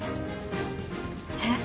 えっ？